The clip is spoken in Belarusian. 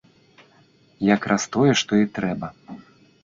Як раз тое, што і трэба!